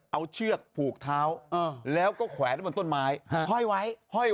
เอาเชือกผูกเท้าแล้วก็แขวนบนต้นไม้